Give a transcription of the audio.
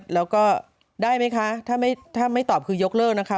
แล้วก็ได้ไหมคะถ้าไม่ตอบคือยกเลิกนะคะ